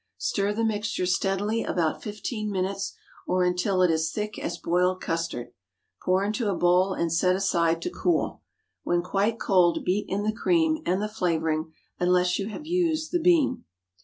Stir the mixture steadily about fifteen minutes, or until it is thick as boiled custard. Pour into a bowl and set aside to cool. When quite cold, beat in the cream, and the flavoring, unless you have used the bean.